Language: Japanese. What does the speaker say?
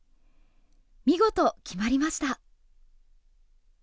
見事決まりました。